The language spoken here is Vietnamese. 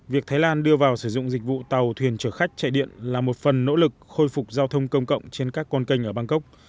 việc thái lan đưa vào sử dụng dịch vụ tàu thuyền chở khách chạy điện là một phần nỗ lực khôi phục giao thông công cộng trên các con kênh ở bangkok